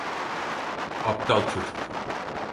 Aptal çocuk!